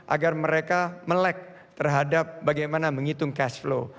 agar mereka melek terhadap bagaimana menghitung cash flow